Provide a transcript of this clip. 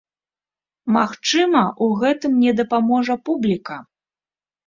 Магчыма, у гэтым мне дапаможа публіка.